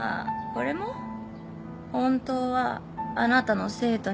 これも本当はあなたの生徒にやられたの。